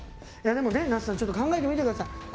いやでもね那須さんちょっと考えてみて下さい。